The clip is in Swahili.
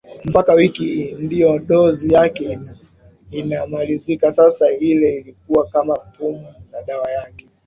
mpaka wiki Ndio dozi yake inamalizika Sasa ile ilikuwa kama pumu na dawa yake